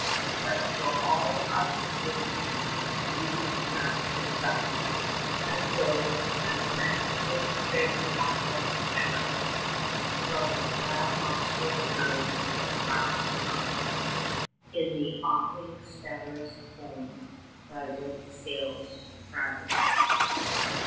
20 But for all I have given thee, beauty enough is thine, As thou, aslant with trim tackle and shrouding, From the proud nostril curve of a prow's line In the offing scatterest foam, thy white sails crowding.